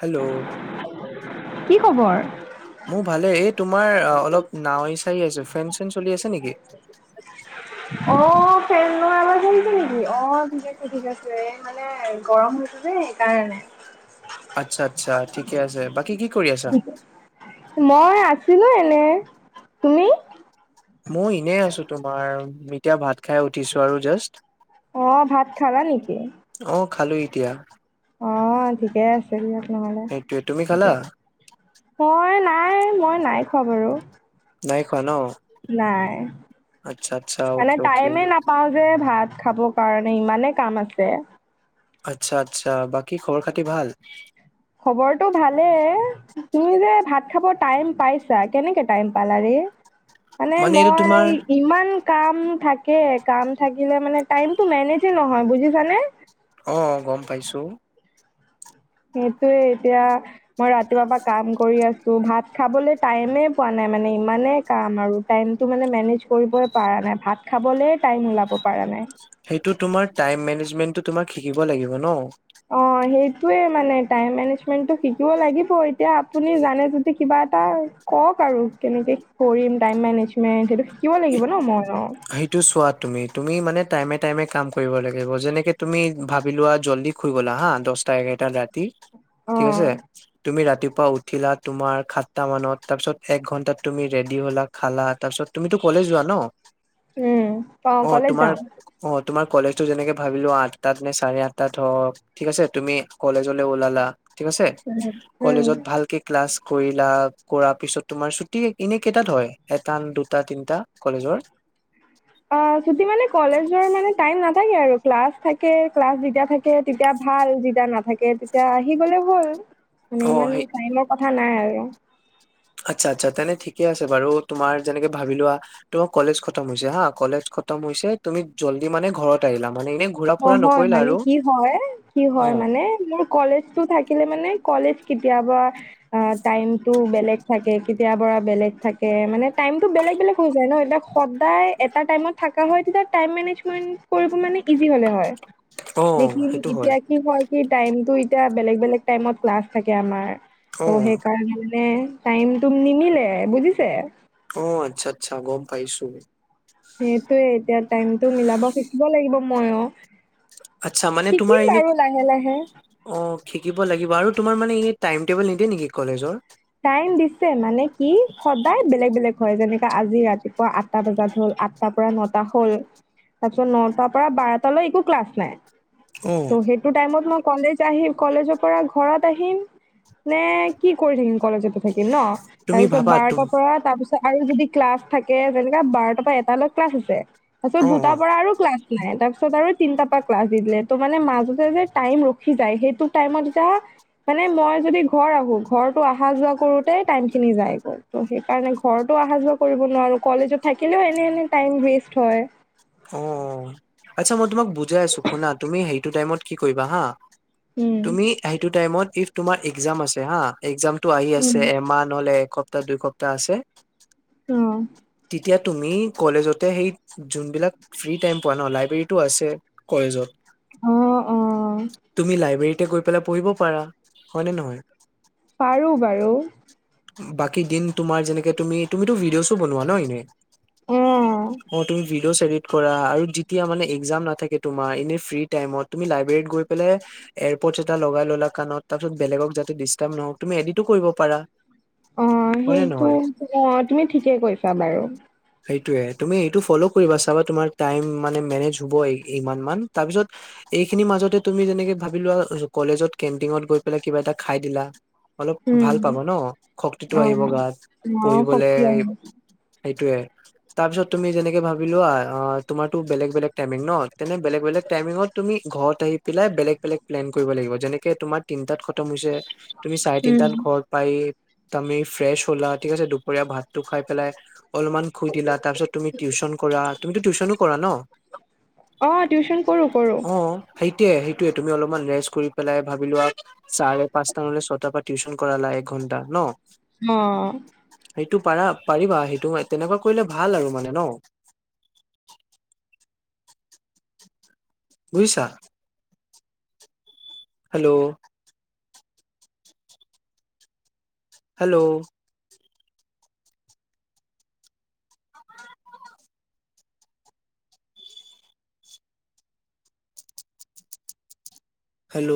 Hello! কি খবৰ? মোৰ ভালে। এই তোমাৰ অলপ নাৱ ই আহিছে। ফেন-চেন চলি আছে নেকি? অ ফেনৰ আৱাজ আহিছে নেকি? অ ঠিক আছে ঠিক আছে এ মানে গৰম হৈছে যে সেইকাৰণে। আচ্ছা আচ্ছা, ঠিকে আছে। বাকী কি কৰি আছা? লো এনে তুমি? মই এনে আছো। তোমাৰ- এতিয়া ভাত খাই উঠিছো আৰু জাষ্ট অহ ভাত খালা নেকি? অ খালো এতিয়া। অঁ ঠিকেই আছে দিয়া নহলে। সেইটোয়ে তুমি খালা? মই না ই মই নাই খোৱা বাৰু নাই খোৱা ন? নাই, আচ্ছা আচ্ছা মানে অকে অকে টাইমে নাপাও যে ভাত- খাব কাৰণে ইমানে কাম আছে। আচ্ছা-আচ্ছা। বাকী খবৰ-খাতি ভাল? খবৰটো ভালেই! তুমি যে ভাত খাব টাইম পাইছা, কেনেকে টাইম পালা ৰে? মানে এইটো তোমাৰ মই ইমান কাম থাকে। কাম থাকিলে মানে টাইমটো মেনেজে নহয় বুজিছানে? অ গম পাইছোঁ। সেইটোৱে, এতিয়া মই ৰাতিপুৱা পৰা কাম কৰি আছো। ভাত খাবলৈ টাইমে পোৱা নাই মানে ইমানেই কাম আৰু টাইমটো মানে মেনেজ কৰিবই পাৰানাই ভাত খাবলে টাইম ওলাব পাৰা নাই। সেইটো তোমাৰ টাইম মনেজমেণ্টটো তোমাক শিকিব লাগিব ন অ সেইটোৱে মানে টাইম মেনেজমেন্টটো শিকিব লাগিব এতিয়া আপুনি জানে যদি কিবা এটা কওক আৰু কেনেকে কৰিম টাইম মেনেজমেন্ট সেইটো শিকিব লাগিব ন মই অ সেইটো চোৱা তুমি, তু মি মানে টাইমে টাইমে কাম কৰিব লাগিব। যেনেকে তুমি ভাবি লোৱা জল্দি শুই গ'লা হা দশটা এঘাৰটা ৰাতি অ ঠিক আছে তুমি ৰাতি- পুৱা উঠিলা তোমাৰ সাতটা মানত, তাৰপিছত এক ঘন্টাত তুমি ৰেডি হ'লা খালা তাৰ পিছত তুমিতো কলেজ যোৱা ন? উম অ কলেজ যাওঁ। অ তোমাৰ কলেজটো যেনেকে ভাবিলো আঠটাত নে চাৰে আঠটাত হওক। ঠিক আছে তুমি কলেজলে ওলালা ঠিক আছে উম উম কলেজত ভালকে ক্লাছ কৰিলা কৰা পিছত তোমাৰ ছুটি এনে কেইটাত হয়, এটা দুটা তিনটা কলেজৰ? অ ছুটী মানে কলেজৰ মানে টাইম নাথাকে আৰু ক্লাছ থাকে ক্লাছ যেতিয়া থাকে তেতিয়া ভাল যেতিয়া নাথাকে তেতিয়া আহি গ'লে হ'ল। মানে অ সেই ইমান টাইমৰ কথা থা নাই আৰু। আচ্ছা আচ্ছা তেনে ঠিকে আছে বাৰু তোমাৰ যেনেকে ভাবি লোৱা, তোমাৰ কলেজ খতম হৈছে হা কলেজ খতম হৈছে তুমি জল্দি মানে ঘৰত আহিলাম। অ', হয় মানে, কি হয় কি অ হয় মানে, মোৰ কলেজটো থাকিলে মানে কলেজ কেতিয়াবা অ টাইম টো বেলেগ থাকে কেতিয়াৰ পৰা বেলেগ থাকে মানে টাইমটো বেলেগ বেলেগ হৈ যায় ন এতিয়া সদায় এটা টাইমত থকা হয় তেতিয়া টাইম মেনেজমেণ্ট কৰিব মানে ইজি হলে হয়। অ লেকীন সেইটো এতিয়া কি হয় সেই টাইমটো এতিয়া বেলেগ বেলেগ টাইমত ক্লাছ থাকে আমাৰ। অ অহ সেই কাৰণে। এই টাইমটো নিমিলে বুজিছে। অহ আচ্ছা আচ্ছা গম পাইছো। সেইটোয়ে সময়। আচ্ছা মানে তোমাৰ এনে অহ শিকিব লাগিব আৰু। তোমাৰ মে টাইম টেবল নিদে নেকি কলেজৰ। টাইম দিছে মানে কি সদায় বেলেগ বেলেগ হয় যেনেকা আজি ৰাতিপুৱা আঠটা বজাত হল আঠাৰ পৰা নটা হল তাৰপিছত নটাৰ পৰা বাৰটালৈ একো ক্লাছ নাই। অ ত সেইটো টাইমত মই। কলেজ আহিম কলেজৰ পৰা ঘৰত আহিম নে কি কৰিম। কলেজ থে ন, তাৰ তুমি পিছত ভাবা তুম বাৰটাৰ পৰা তাৰ পিছত আৰু যদি ক্লাছ থাকে যেনেকা বাৰটাৰ পৰা এটালৈ ক্লাছ আছে। তাৰ পিছত অ অ দুটাৰ পৰা আৰু ক্লাছ। নাই তাৰ পিছত আৰু তিনটা পা ক্লাছ দি দিলে ত মানে মাজতে যে টাইম ৰখি যায় সেইটো টাইমত এতিয়া মানে মই যদি ঘৰ আহো, ঘৰটো অহা যোৱা কৰোতে টাইমখিনি যায় গে সেইকাৰণে ঘৰটো অহা-যোৱা কৰিব নোৱাৰো কলেজত থাকিলেও এনে এনে টাইম ৱেষ্ট হয়। উম, [unintelligible] চ' মই তোমাক বুজাই আছোঁ শুনা, তুমি সেই এইটো টাইমত কি কৰিবা হা? উম তুমি সেইটো টাইমত ইফ তোমাৰ এক্সাম আছে হা, এক্সাম টো আহি উম আছে এমাহ নহলে এক স সপ্তাহ দুই সপ্তাহ আছে। অহ এতিয়া তুমি কলেজতে সেই যোনবিলাক ফ্ৰী, টাইম পোৱা ন, লাইব্ৰেৰীতটো আছে কলেজত। অহ, অহ। তে গৈ, পেলাই পঢ়িব পাৰা, হয় নে নহয়? পাৰো বাৰু। বাকী দিন, তোমাৰ যেনেকে, তুমি, তুমিটো ভিডিঅ'ছ অ, বনোৱা ন এনে। অ অহ, তুমি, ভি ভিদিঅছ এডিট কৰা, আৰু যেতিয়া মানে এক্জাম নাথাকে, তোমাৰ এনে ফ্ৰ্ৰী টাইমত, তুমি লাইব্ৰেৰীত গই পেলায়, এয়াৰপৰ্ট এটা লগাই ল'লা, কানত তাৰপিছত বেলেগক, যাতে ডিষ্টাৰ্ব নহওক, তুমি এডিটো কৰিব পাৰা। অহ, হয় নে সেইটো নহয় অহ, তুমি ঠিকে কৈছা বাৰু। সেইটোয়ে তুমি এইটো ফ'ল' কৰিবা চাবা, তোমাৰ টাইম মানে মেনেজ হ'ব, ইমান মান, তাৰপিছত এইখিনি মাজতে তুমি যেনেকে ভাবি লোৱা, কলেজত কেণ্টিনত গৈ পেলাই, কিবা এটা খাই দিলা। অলপ ভাল উম পাব ন, শক্তিটো অ আহিব গাত অ পঢ়িবলে, শক্তি আহে সেইটোয়ে। তাৰ পিছত, তুমি যেনেকে ভাবিলোৱা, তোমাৰো বেলেগ, বেলেগ টাইমিং ন। তেনে, বেলেগ, বেলেগ টমিঙত তুমি ঘৰত আহি পেলাই, বেলেগ, বেলেগ প্লেন কৰিব লাগিব, যেনেকে তোমাৰ তিনটাত খতম হৈছে। তুমি চাৰে, তিটান উম ঘৰত পায়। তুমি ফ্ৰেছ হ'লা, ঠিক আছে দুপৰীয়া ভাতটো খাই, পেলাই অলপমান শুই দিলা, তাৰপিছত তুমি টিউশচন কৰা, তুমিতো টিউচনউ কৰা ন। অহ, টিউচন কৰো, কৰো। সেয়া, সেইটোৱে তুমি অলপমান ৰেইজ কৰি পেলাই ভাবিলো, চাৰে পাঁচটা নহলে, ছয়টাৰ পৰা টিউচন কৰালা, একঘণ্টা ন। অহ। সেইটো পাৰা, পাৰিবা সেইটো। তেনেকুৱা কৰিলে, ভাল আৰু মানে ন। বুজিছা। হেল্ল। ‍ হেল্ল। হেল্ল।